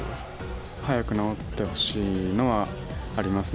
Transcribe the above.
早く治ってほしいのはありますね。